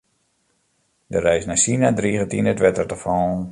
De reis nei Sina driget yn it wetter te fallen.